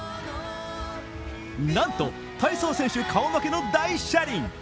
なんと、体操選手顔負けの大車輪。